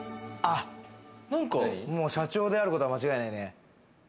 もう社長であることは間違いないね。